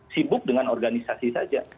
sibuk dengan organisasi saja